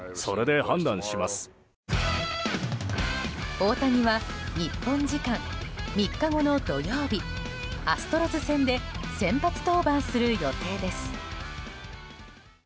大谷は日本時間３日後の土曜日アストロズ戦で先発登板する予定です。